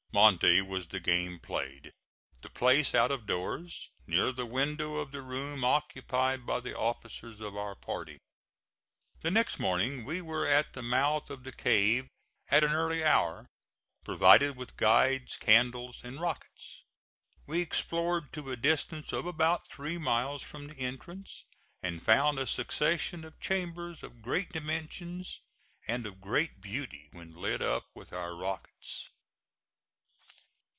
Monte was the game played, the place out of doors, near the window of the room occupied by the officers of our party. The next morning we were at the mouth of the cave at an early hour, provided with guides, candles and rockets. We explored to a distance of about three miles from the entrance, and found a succession of chambers of great dimensions and of great beauty when lit up with our rockets.